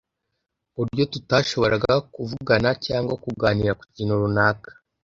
ku buryo tutashoboraga kuvugana cyangwa kuganira ku kintu runaka